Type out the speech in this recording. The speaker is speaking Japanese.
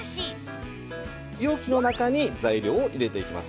容器の中に材料を入れていきますね。